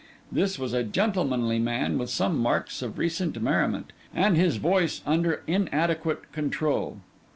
This was a gentlemanly man, with some marks of recent merriment, and his voice under inadequate control.